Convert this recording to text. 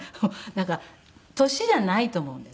なんか年じゃないと思うんです。